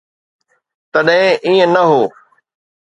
تڏهن ائين نه هو.